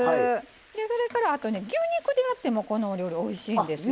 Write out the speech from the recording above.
でそれからあとね牛肉でやってもこのお料理おいしいんですよ。